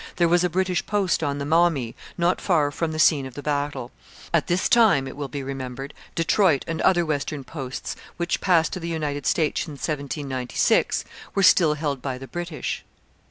There was a British post on the Maumee not far from the scene of the battle. At this time, it will be remembered, Detroit and other western posts, which passed to the United States in 1796, were still held by the British.